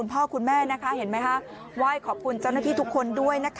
แล้วน้องป่วยเป็นเด็กออทิสติกของโรงเรียนศูนย์การเรียนรู้พอดีจังหวัดเชียงใหม่นะคะ